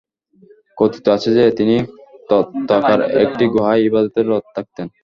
কথিত আছে যে, তিনি তথাকার একটি গুহায় ইবাদতে রত থাকতেন।